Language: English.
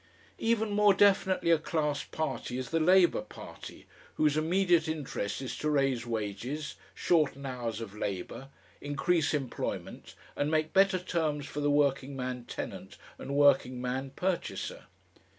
Even more definitely a class party is the Labour Party, whose immediate interest is to raise wages, shorten hours of labor, increase employment, and make better terms for the working man tenant and working man purchaser.